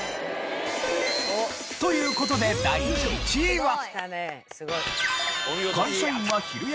という事で第１位は。